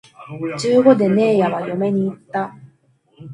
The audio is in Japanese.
十五でねえやは嫁に行った